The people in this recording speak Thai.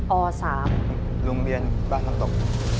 ป๓โรงเรียนบ้านน้ำตก